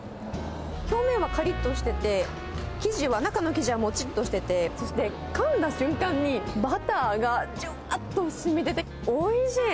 表面はかりっとしてて、生地は、中の生地はもちっとしてて、そしてかんだ瞬間に、バターがじゅわっとしみでておいしい。